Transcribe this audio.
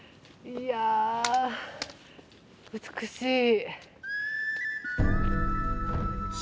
いや美しい。